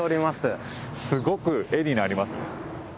すごく絵になりますね。